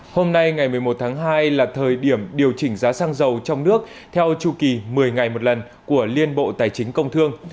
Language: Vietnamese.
hôm nay ngày một mươi một tháng hai là thời điểm điều chỉnh giá xăng dầu trong nước theo chu kỳ một mươi ngày một lần của liên bộ tài chính công thương